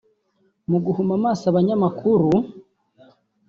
Mu guhuma amaso abanyamakuru